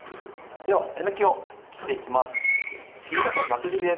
では、えのきを切っていきます。